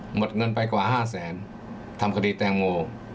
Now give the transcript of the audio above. หมดเงินไปกว่า๕แสนทำคดีแตงโม